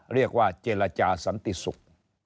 เรียกว่าเจรจาสันติศุกร์